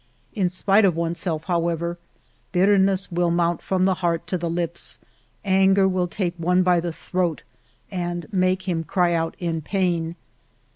In spite of one's self, however, bitterness will mount from the heart to the lips ; anger will take one by the throat and make him cry out in pain.